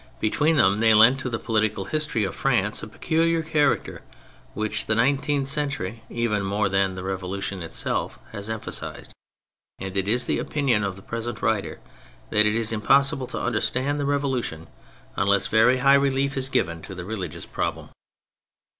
Between them they lent to the political history of France a peculiar character which the nine teenth century, even more than the Revolution itself, has emphasised ; and it is the opinion of the present writer that it is impossible to understand the Revolution unless very high relief is given to the religious problem.